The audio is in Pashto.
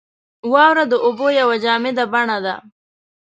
• واوره د اوبو یوه جامده بڼه ده.